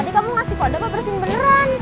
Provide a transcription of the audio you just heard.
tadi kamu ngasih kode apa bersin beneran